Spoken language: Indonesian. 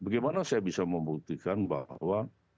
bagaimana saya bisa membuktikan bahwa